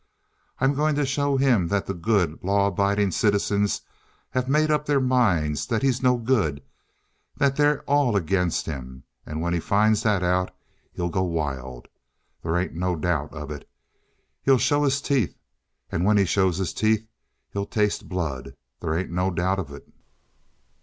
I'm going to show him that the good, lawabiding citizens have made up their minds that he's no good; that they're all ag'in' him; and when he finds that out, he'll go wild. They ain't no doubt of it. He'll show his teeth! And when he shows his teeth, he'll taste blood they ain't no doubt of it."